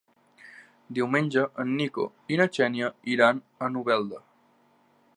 Diumenge en Nico i na Xènia iran a Novelda.